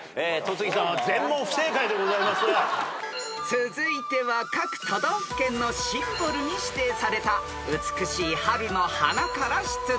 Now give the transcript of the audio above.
［続いては各都道府県のシンボルに指定された美しい春の花から出題］